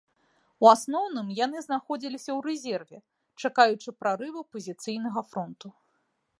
У асноўным яны знаходзіліся ў рэзерве, чакаючы прарыву пазіцыйнага фронту.